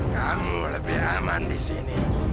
kamu lebih aman di sini